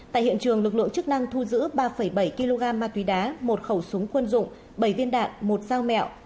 tại hiện trường lực lượng chức năng thu giữ ba bảy kg ma túy đá một khẩu súng quân dụng bảy viên đạn một dao mèo